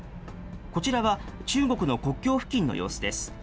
こちらは、中国の国境付近の様子です。